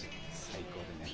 最高でね。